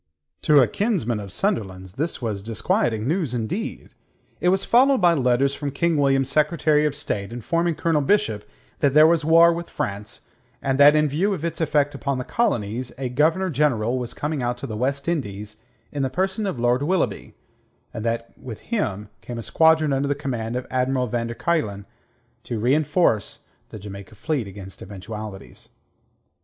To a kinsman of Sunderland's this was disquieting news, indeed. It was followed by letters from King William's Secretary of State informing Colonel Bishop that there was war with France, and that in view of its effect upon the Colonies a Governor General was coming out to the West Indies in the person of Lord Willoughby, and that with him came a squadron under the command of Admiral van der Kuylen to reenforce the Jamaica fleet against eventualities.